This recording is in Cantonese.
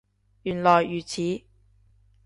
原來如此